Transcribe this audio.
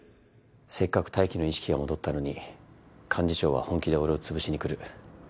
せっかく泰生の意識が戻ったのに幹事長は本気で俺を潰しにくる。